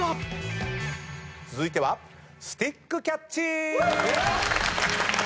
続いてはスティックキャッチ！